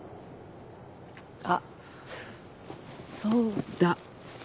あっそうだ。